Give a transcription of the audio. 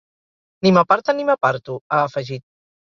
“Ni m’aparten ni m’aparto”, ha afegit.